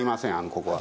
ここは。